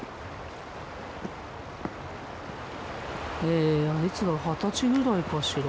えいつだろう？二十歳ぐらいかしら。